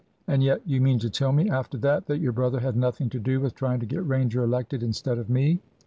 And yet you mean to tell me, after that, that your brother had nothing to do with trying to get Ranger elected instead of me?"